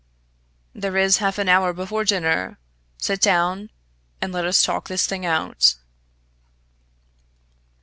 "There is half an hour before dinner. Sit down, and let us talk this thing out."